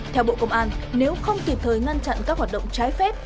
theo bộ công an nếu không kịp thời ngăn chặn các hoạt động trái phép